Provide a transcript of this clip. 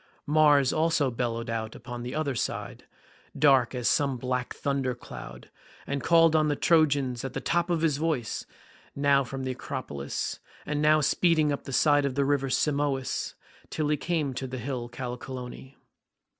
Mars also bellowed out upon the other side, dark as some black thunder cloud, and called on the Trojans at the top of his voice, now from the acropolis, and now speeding up the side of the river Simois till he came to the hill Callicolone.